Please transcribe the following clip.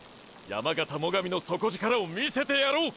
山形最上の底力を見せてやろう！！